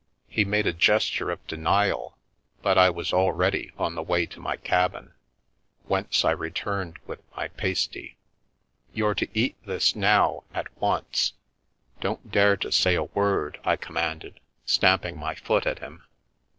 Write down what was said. He made a gesture of de nial, but I was already on the way to my cabin, whence I returned with my pasty. " You're to eat this, now, at once. Don't dare to say a word," I commanded, stamping my foot at him.